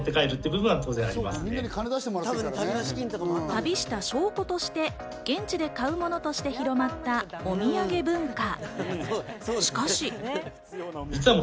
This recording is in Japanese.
旅した証拠として現地で買うものとして広まったお土産文化。